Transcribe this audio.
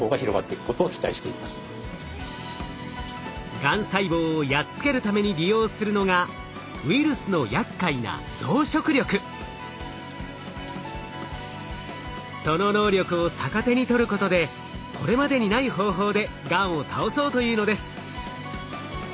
がん細胞をやっつけるために利用するのがウイルスのやっかいなその能力を逆手に取ることでこれまでにない方法でがんを倒そうというのです。